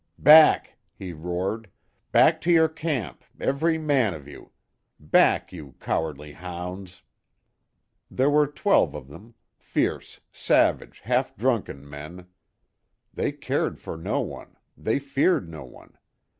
"Back!" he roared; "back to your camp, every man of you! Back, you cowardly hounds!" There were twelve of them; fierce, savage, half drunken men. They cared for no one, they feared no one.